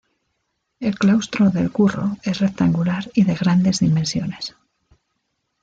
El claustro del curro es rectangular y de grandes dimensiones.